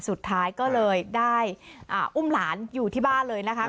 สุดท้ายก็เลยได้อุ้มหลานอยู่ที่บ้านเลยนะคะ